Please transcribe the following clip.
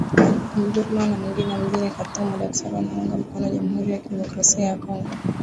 Omdurman na mwingine mjini Khartoum madaktari wanaounga mkono jamuhuri ya Kidemokrasia ya Kongo